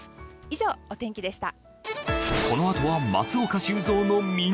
以上、お天気でした。